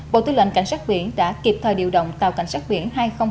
bộ tư lệnh cảnh sát biển đã kịp thời điều động tàu cảnh sát biển hai nghìn hai